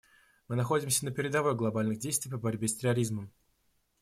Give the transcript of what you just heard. Мы находимся на передовой глобальных действий по борьбе с терроризмом.